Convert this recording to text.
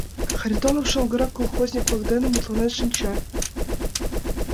Харитонов шоҥгырак колхозник-влак дене мутланен шинча.